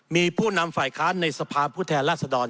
มีผู้นำฝ่ายค้านในสภาพุทธแหลศดร